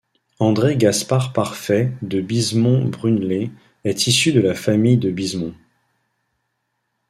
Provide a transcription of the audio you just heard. André Gaspard Parfait de Bizemont-Prunelé est issu de la famille de Bizemont.